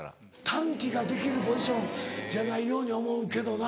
短気ができるポジションじゃないように思うけどな。